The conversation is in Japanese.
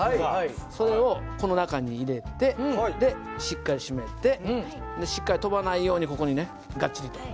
それをこの中に入れてしっかり閉めてしっかり飛ばないようにここにねガッチリと。